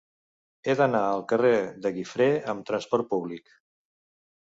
He d'anar al carrer de Guifré amb trasport públic.